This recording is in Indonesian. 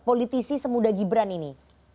polisisi semuda gibran ini